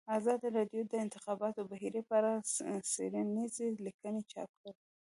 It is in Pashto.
ازادي راډیو د د انتخاباتو بهیر په اړه څېړنیزې لیکنې چاپ کړي.